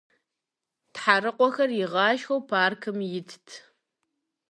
Тхьэрыкъуэхэр игъашхэу паркым итт.